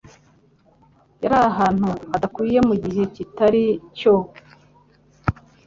Yari ahantu hadakwiye mugihe kitari cyo. (Sp